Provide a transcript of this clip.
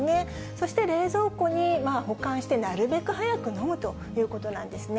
そして冷蔵庫に保管してなるべく早く飲むということなんですね。